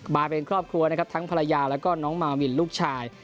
มาเป็นครอบครัวนะครับทั้งภรรยาแล้วก็น้องมาวินลูกชาย